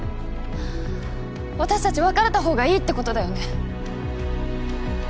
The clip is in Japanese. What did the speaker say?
私たち別れたほうがいいってことだよ